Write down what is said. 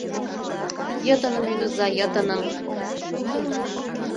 Йытыным ӱдыза, йытыным